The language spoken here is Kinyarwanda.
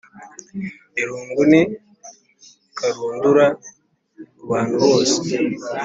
Irungu ni karundura kubantu bose